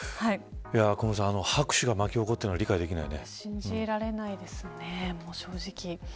小室さん、拍手がわき起こってるのは信じられないですね、正直。